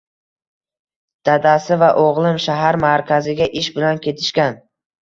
Dadasi va o`g`lim shahar markaziga ish bilan ketishgan